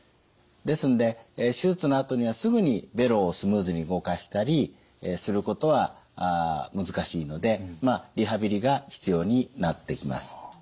ですので手術のあとにはすぐにベロをスムーズに動かしたりすることは難しいのでリハビリが必要になってきます。